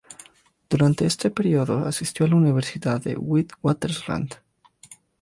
Durante este período asistió a la Universidad de Witwatersrand.